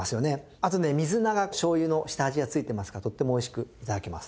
あとね水菜が醤油の下味がついてますからとってもおいしく頂けます。